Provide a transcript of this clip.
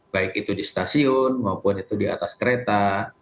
baik itu di stasiun maupun itu di atas kereta